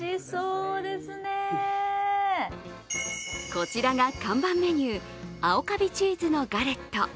こちらが看板メニュー青カビチーズのガレット。